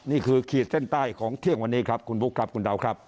ขีดเส้นใต้ของเที่ยงวันนี้ครับคุณบุ๊คครับคุณดาวครับ